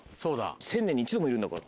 「１０００年に一度」もいるんだから。